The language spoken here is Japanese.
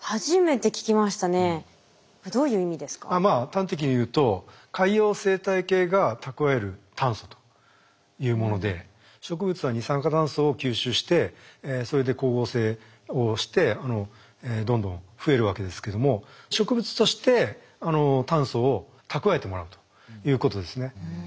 端的に言うと海洋生態系が蓄える炭素というもので植物は二酸化炭素を吸収してそれで光合成をしてどんどん増えるわけですけども植物として炭素を蓄えてもらうということですね。